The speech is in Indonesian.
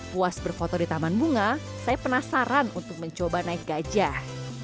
puas berfoto di taman bunga saya penasaran untuk mencoba naik gajah